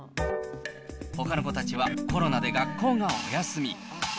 ほかの子たちはコロナで学校がお休み。